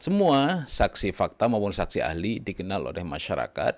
semua saksi fakta maupun saksi ahli dikenal oleh masyarakat